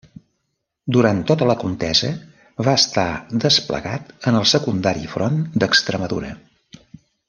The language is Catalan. Durant tota la contesa va estar desplegat en el secundari front d'Extremadura.